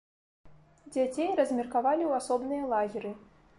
Дзяцей размеркавалі ў асобныя лагеры.